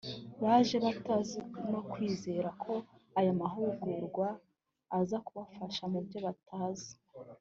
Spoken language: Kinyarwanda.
baje batazi no kwizera ko aya mahugurwa aza kubafasha mu byo batazi